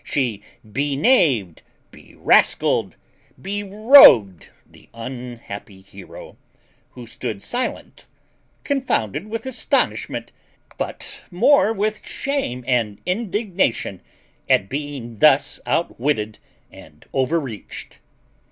She be knaved, be rascalled, be rogued the unhappy hero, who stood silent, confounded with astonishment, but more with shame and indignation, at being thus outwitted and overreached.